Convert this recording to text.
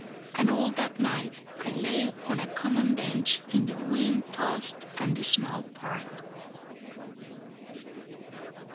And all that night I lay on a common bench in the wind tossed and dismal Park.